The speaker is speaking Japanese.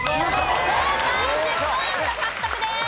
１０ポイント獲得です。